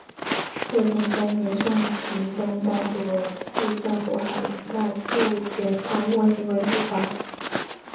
会同三年上奏东丹左次相渤海人大素贤贪墨行为不法。